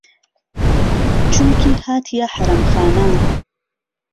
چومکی هاتیه حەرەمخانه